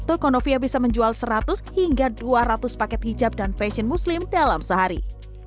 tokonovia bisa menjual seratus hingga dua ratus paket hijab dan fashion muslim dalam sehari